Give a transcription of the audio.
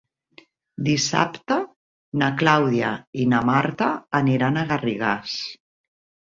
Dissabte na Clàudia i na Marta aniran a Garrigàs.